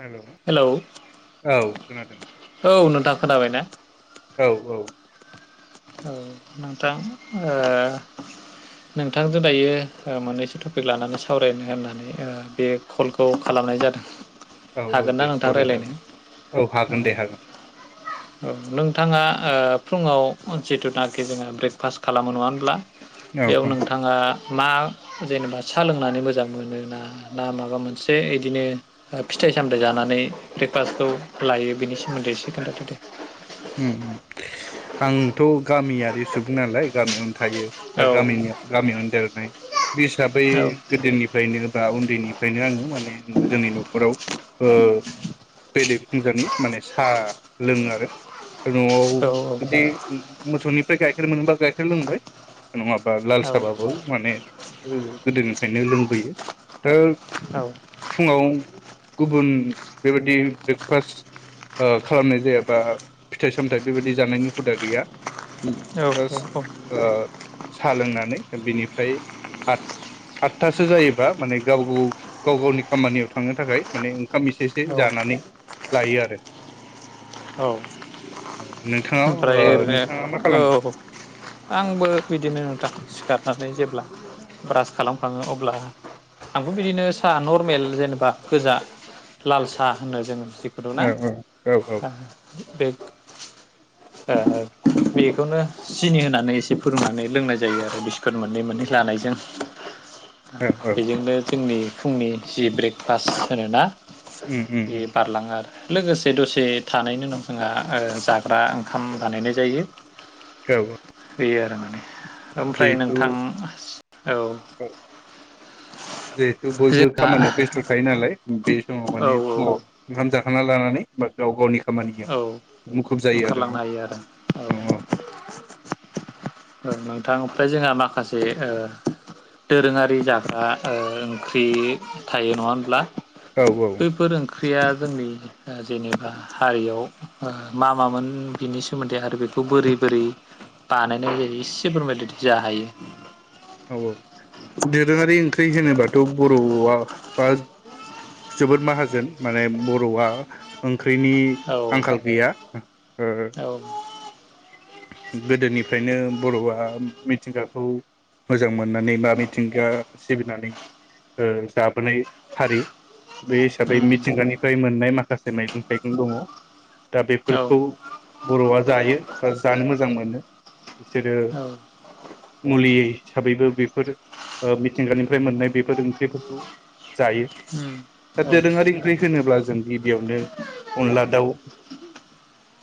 Hello औ खोनादों औ नोंथां खोनाबाय ना? औ औ औ नोंथां ओ नोंथांजों दायो ओ मोननैसो टपिक लानानै सावरायनो होननानै ओ बे कलखौ खालामनाय जादों। औ औ हागोन ना दे नोंथां सावराय रायलायनो जागोन औ हागोन दे हागोन। नोंथांङा ओ फुङाव जिथुनाखि जोङो ब्रेकफास्ट खालामो नङा होमब्ला औ बेयाव औ नोंथाङा मा जेनेबा सा लोंनानै मोजां मोनो ना ना माबा मोनसे इदिनो फिथाइ सामथाइ जानानै ब्रेकफास्टखौ लायो बिनि सोमोन्दै एसे खोन्थाथदो। ओम आंथ' गामियारि सुबुं नालाय गामियाव थायो दा गामिनि गामियावनो देरनाय बे हिसाबै गोदोनिफ्रायनो बा उन्दैनिफ्रायनो आरो माने जोंनि न'खराव ओ बेरे फुंजानि माने सा लोङो आरो न'आव दे औ बिदि मोसौनि फ्राय गाइखेर मोनोबा गाइखेर लोंबाय नङाबा लालसाबाबो माने गोदोनिफ्रायनो लोंबोयो। दा औ फुङाव गुबुन बेबायदि ब्रेकफास्ट ओ खालामनाय जायाबा फिथाइ सामथाइ बेबायदि जानायनि हुदा गैया। [unintelligible] औ ओ सा लोंनानै बिनिफ्राय आथ आथथासो जायोबा माने गाव गाव गाव गावनि खामानियाव थांनो थाखाय माने ओंखाम एसे एसे औ जानानै लायो आरो। औ औ नोंथाङा ओमफ्राय ओ ओरैनो नोंथाङा मा खालामो औ आंबो बिदिनो नोंथां सिखारनानै जेब्ला ब्रास खालामखाङो अब्ला आंबो बिदिनो सा नरमेल जेनेबा गोजा लाल सा होनो जोङो औ औ औ औ। बे ओ बेखौनो सिनि होनानै एसे फुदुंनानै लोंनाय जायो आरो बिस्कुट मोननै मोननै लानायजों। औ औ बेजोंनो जोंनि फुंनि जि ब्रेकफास्ट होनोना उम उम बे उम बारलाङो आरो। लोगोसे दसे थानायनि उनाव जोंहा ओ जाग्रा ओंखाम बानायनाय जायो। औ। बे आरो माने। ओमफ्राय जिहेथु नोंथां औ ओ जिहेथु बयबो जोंहा खामानियाव बेस्थ थायो नालाय बे समाव औ माने फुङाव औ ओंखाम जा खांना लानानै बा गाव गावनि औ खामानियाव मुखुब जायो ओंखारलांनो आरोना हायो आरो औ औ। थां ओमफ्राय जोंहा माखासे ओ दोरोङारि जाग्रा ओ ओंख्रि थायो नङा होनब्ला? औ औ बैफोर ओंख्रिया जोंनि ओ जेनेबा हारियाव ओ मा मामोन बिनि सोमोन्दै आरो बेखौ बोरै बोरै बानायनाय जायो इसे फोरमायदो दे जा हायो। औ औ दोरोङारि ओंख्रि होनोबाथ' बर'आ बा जोबोद माहाजोन माने बर'आ ओं ख्रिनि औ आंखाल गैया ओ औ गोदोनिफ्रायनो बर'आ मिथिंगाखौ मोजां मोननानै बा मिथिंगा सिबिनानै ओ जाबोनाय हारि। बे हिसाबै उम मिथिंगानि फ्राय मोननाय माखासे मैंग थाइगं दङ। दा औ बेफोरखौ बर'आ जायो बा जानो मोजां मोनो। बिसोरो औ मुलि हिसाबैबो बेफोर ओ मिथिंगानिफ्राय मोननाय बेफोर ओंख्रिफोरखौ जायो। उम दा दोरोङारि ओंख्रि होनोब्ला जों गिबियावनो अनला दाउ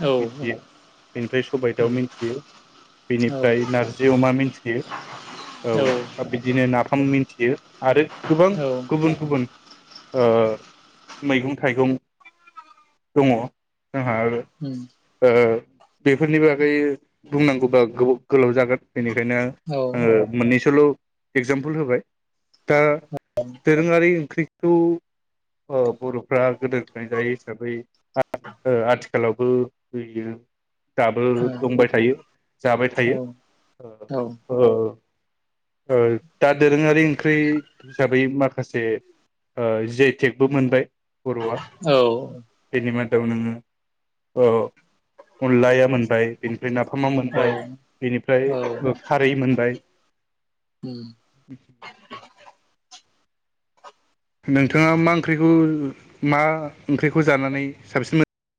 औ मिथियो बेनिफ्राय सबाय दाव उम मिन्थियो। औ बेनिफ्राय नारजि अमा मिन्थियो। औ दा बिदिनो नाफाम मिन्थियो आरो गोबां औ गुबुन गुबुन ओ मैगं थाइगं दङ' जोंहा ओ उम बेफोरनिबो बुंनांगौबा गोबाव गोलाव जागोन बेनिखायनो औ आङो मोननैसोल' एगजामपोल होबाय। दा दोरोङारि ओंख्रिखौ ओ बर'फ्रा गोदोनिफफ्रायनो जायो हिसाबै आ आथिखालावबो होयो दाबो दंबाय थायो, जाबाय थायो। ओ ओ दा दोरोङारि ओंख्रै हिसाबै माखासे जि आइ टेक बो मोनबाय बर'आ। औ। बेनि मादाव नोङो ओ अनलाया मोनबाय। बेनिफ्राय नाफामा मोनबाय, बेनिफ्राय औ ओ खारै मोनबाय। उम नोंथाङा मा ओंख्रिखौ मा ओंख्रिखौ जानानै साबसिन मो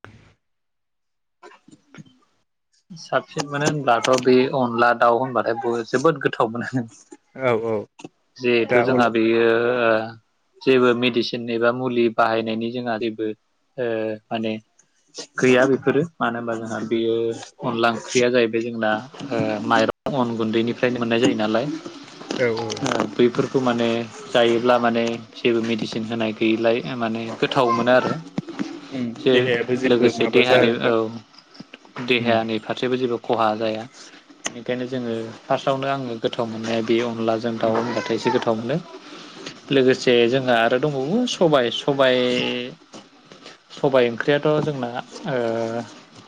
साबसिन मोनो होनब्लाथ' बे अनला दाउ होनबाथाय बो जोबोद गोथाव मोनो। मोन औ औ दा जिहेथु औ जोंहा बेयो ओ जेबो मेडिसिन एबा मुलि बाहायनायनि जोंहा जेबो ओ माने गैया बेफोरो मानो होनबा जोंहा बेयो अनला ओंख्रिया जाहैबाय जोंना ओ माइरं अन गुन्दैनिफ्रायनो मोननाय जायो नालाय। औ औ। खौ माने जायोब्ला माने जेबो मेडिसिन होनाय गैयिलाय माने गोथाव मोनो आरो। उम जे देहायाबो जेबो लोगोसे माबा देहानि जाजोबा औ दे उम देहानि फारसेबो जेबो खहा जाया । बेनिखायनो जोङो फार्स फार्सआवनो आङो गोथाव मोननाया बे आनलाजों दाउ उम होनबाथाय जि गोथा [unintelligible] लोगोसे जों जोंहा आरो दंबावो सबाय सबाइ सबाय ओंख्रियाथ जोंना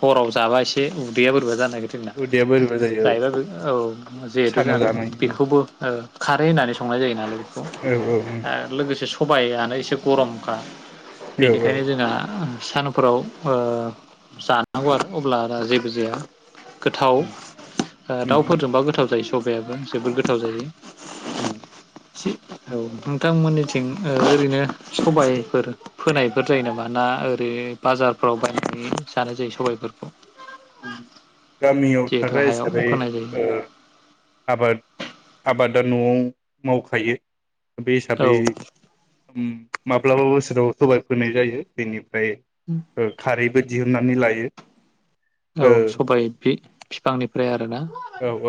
ओ हराव जाबा एसे बे उदैया बोरैबा जानो [unintelligible] उदैया बोरैबा जायो औ जायोबा बे औ जिहेथु सानाव जानाय [unintelligible] बेखौबो ओ खारै होनानै संनाय जायोनालाय औ । आरो लोगोसे सबायानो एसे गरमखा औ औ बेनिखायनो जोंना सानफोराव ओ जानांगौ आरो अब्ला बा जेबो जाया । गोथाव उम दाउफोरजोंबा गोथाव जायो सब [unintelligible] बो जोबोद गोथाव जायो । औ उम नोंथांमोननि थिं ओरैनो सबायफोर फोनायफोर जायो नामा ना ओरै बाजारफ्राव बायनानै जानाय जायो सबायाइफोरखौ? गामियाव जिहेथु थाग्रा हायाव हिसाबै फोनाय जायो ओ आबाद आबाद दा नआव मावखायो । बे हिसाबै औ माब्लाबाबो [unintelligible] सबाय फोनाय जायो बेनि फ्राय खारै बो दिहुननानै लायो औ सबाइ बि फिफांनिफ्राय आरो ना? औ औ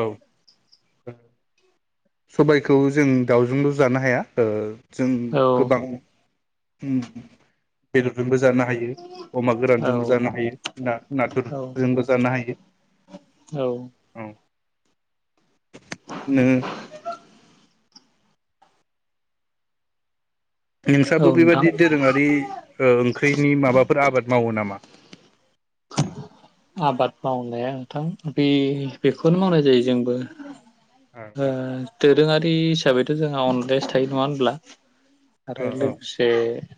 । सबायखौ जों दाउजोंल जानो हाया ओ जों औ गोबां [unintelligible] बेदरजोंबो जानो हायो अमा औ गोरानजोंबो जानो हायो औ नाथुरजोंबो जानो हायो, औ। नोङो नोंस्राबो नोंथां बेबादि दोरोङारि ओ ओंख्रिनि माबाफोर आबाद मावो नामा? आबाद मावनाया नोंथां बे बेखौनो मावनाय जायो जोंबो ओ ओ दो दोरोङारि हिसाबैथ' जोंहा अनलायासो थायो नङा होनब्ला आरो ओ ओ लोगोसे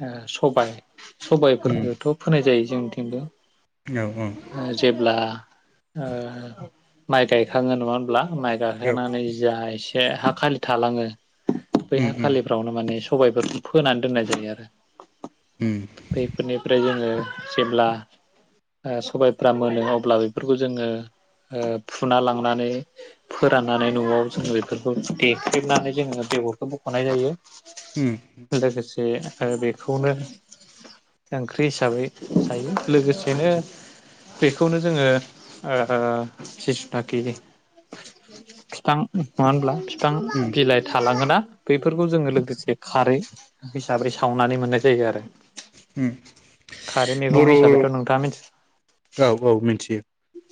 ओ सबाय उम सबायाइफोरखौथ फोनाय जायो जोंथिंबो औ जेब्ला ओ माइ गायखाङो नङा होनब्ला? माइ औ गाइखांनानै जा एसे से हा खालि थालाङो बै हा उम उम खालिफ्रावनो माने सबायाइफोर फोनानै दोननाय जायो आरो उम बेफोरनिफ्राय जोङो सिमला ओ सबायफ्रा मोनो अब्ला बेफोरखौ जोङो ओ फुना लांनानै फोराननानै न'आव जोङो बेफोरखौ देख्रेबनानै जोङो बेगरखौ बखनाय जायो ओम। बे बेखौनो ओंख्रि हिसाबै जायो लोगोसेनो बेखौनो जोङो ओ जिसुथाखि फिथां नङा होनब्ला फि फां उम बिलाइ थालाङोना बैफोरखौ जोङो लोगोसे खारै हिसाब्रै सावनानै मोननाय जायो आरो उम खारै मैगं बर' हिसाबैथ नोंथाङा मिथि औ औ मिथियो।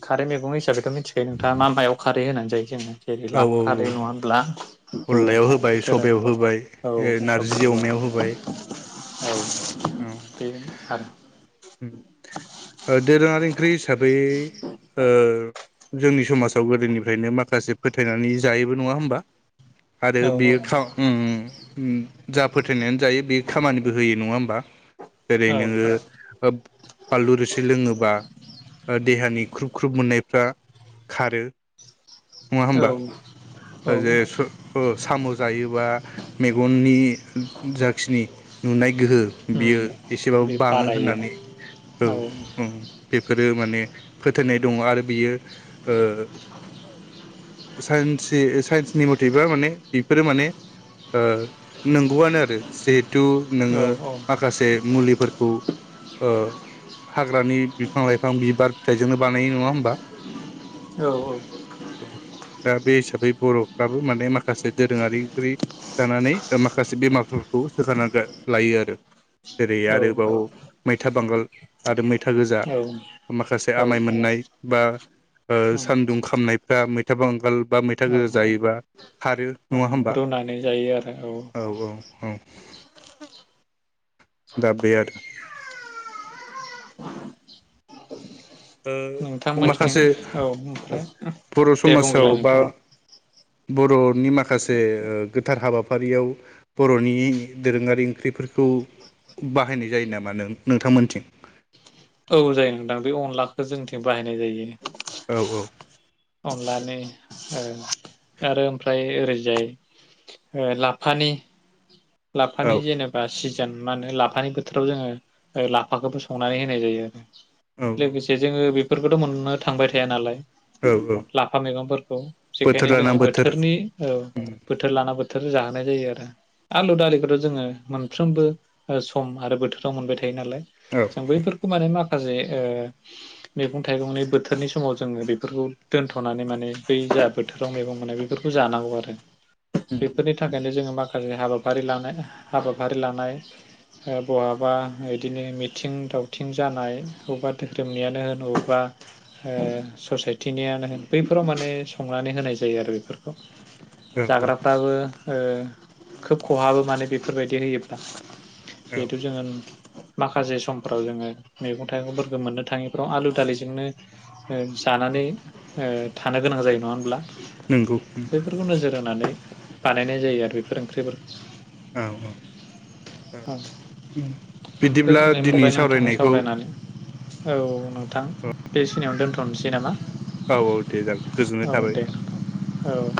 खारै मैगं हिसाबै थ' मिथिखायो नोंथाङा मा मायाव खारो होननानै जायो जोङो जेरै औ लाफा औ औ खारै नङा होनब्ला औ अनलायाव होबाय, बेफोर सबायाव होबाय, आरो औ ओ नारजि सबायबाय अमायाव होबाय औ। औ बेनो आरो उम ओ दोरोङारि ओंख्रि हिसाबै बै ओ जोंनि समाजाव गोदोनिफ्रायनो माखासे फोथायनानै जायोबो नङा होमबा? बे आरो औ बियो फां उम उम। उम जा फोथायनाय जायो बेयो खामानिबो होयो नङा होनबा। जेरै औ नोङो बानलु रोसि लोङोबा ओ देहानि ख्रुब ख्रुब मोननायफ्रा खारो। नङा होमबा औ ओ जे सो ओ सामु जायोबा मेगननि जाखिनि नुनाय गोहो बियो उम एसेबाबो बे बाङो बारायो होननानै। औ उम बेफोर रो माने फोथायनाय दङ आरो बियो ओ साइन्से ओ साइन्सनि मथेबा माने बेफोरो माने ओ नंगौआनो आरो जिह थु औ नोङो औ माखासे मुलिफोरखौ ओ हाग्रानि बिफां लाइफां बिबार फिथाइजोंनो बानायो नङा होमबा औ दा बे हिसाबै बर'फ्राबो माने मा माखासे दोरोङारि ओंख्रि जानानै माखासे बेमारफोरखौ सोखाना गा लायो आरो। जेरै औ आरोबाव मैथा बांगाल आरो मैथा गोजा औ उम माखासे औ आमाय मोननाय बा ओ सानदुं खामनायफ्रा मैथा बांगाल बा मैथा गोजा जायोबा खारो औ नङा होमबा रुनानै जायो आरो औ औ औ। दा बेआरो। [inaudible] ओ नोंथांमोननिथिं माखासे औ ओमफ्राय बर' दे समाजआव बुंग्रोलाय बा नोंथां बर' नि माखासे ओ गोथार हाबा हाबाफारियाव बर'नि दोरोङारि ओंख्रिफोरखौ बाहायनाय जायो नामा नों नोंथांमोनथिं? औ जायो नोंदां बे अनलाखौ जोंनिथिं बाहायनाय जायो। औ औ। अनलानि ओ आरो ओमफ्राय ओरैजाय लाफानि औ लाफानि जेनेबा सि जान मा होनो लाफानि बोथोराव जोङो ओ लाफाखौबो संनानै होनाय जायो आरो। औ लोगोसे जोङो बे बेफोरखौथ' मोननो थांबाय थाया नालाय। औ औ लाफा मैगंफोरखौ बोथोर बेखायनो लाना जोङो बोथोर बोथोरनि औ उम बोथोर लाना बोथोर जानाय जायो आरो। आलु दालिखौथ जोङो मोनफ्रोमबो सम आरो बोथोराव मोनबाय था थायो नालाय औ जों बैफोरखौ मानो मा माखासे ओ मैगं थाइगंनि बोथोरनि समाव जोङो बेफोरखौ दोनथनानै माने बै जा बोथोराव मैगं मोननाय बेफोरखौ जानांगौ आरो बेफोरनि थाखायनो जोङो माखासे हाबा हाबाफारि लानाय हाबाफारि लानाय बहाबा बिदिनो मिथिं दावथिं जानाय बबेबा धोरोमनियानो होन बबेबा ससायटिनियानो होन बैफोराव माने संनानै होनाय जायो आरो बेफोरखौ। औ जाग्राफाबो ओ खोब खहाबो माने बेफोरबायदि होयोब्ला। औ जिहेथु जोङो माखासे समफ्राव जोङो मैगं थाइगंफोरखौ मोननो थाङिफ्राव आलु दालिजोंनो ओ जानानै ओ थानो गोनां जायो नङा होनब्ला नंगौ उम बेफोरखौ नोजोर होनानै बानायनाय जायो आरो बेफोर ओंख्रिफोर औ औ ओं बिदिब्ला गोजोननाय दिनै मोनबाय नोंथाङा सावरायनायखौ सावरायनानै औ औ नोंथां बे सिनियावनो दोन्थनोसै नामा? औ औ दे जागोन गोजोननाय औ थाबाय। दे औ